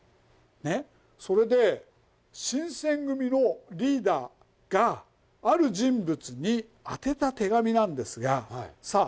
それで新選組のリーダーがある人物に宛てた手紙なんですがさあ